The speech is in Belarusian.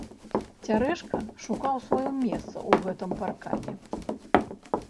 Цярэшка шукаў сваё месца ў гэтым паркане.